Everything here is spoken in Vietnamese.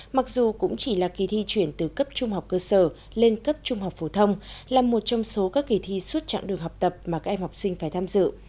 mặc dù cũng chỉ là kỳ thi chuyển từ cấp trung học cơ sở lên cấp trung học phổ thông là một trong số các kỳ thi suốt trạng đường học tập mà các em học sinh phải tham dự